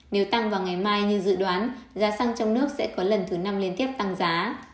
nếu tăng vào ngày mai như dự đoán giá xăng trong nước sẽ có lần thứ năm liên tiếp tăng giá